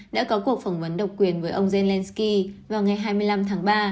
đã có cuộc phỏng vấn độc quyền với ông zelensky vào ngày hai mươi năm tháng ba